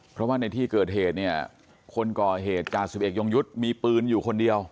เพราะว่าในที่เกิดเหตุเนี่ยคนก่อเหตุจ่าสิบเอกยงยุทธ์มีปืนอยู่คนเดียว